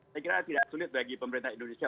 saya kira tidak sulit bagi pemerintah indonesia